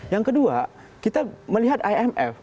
yang kedua kita melihat imf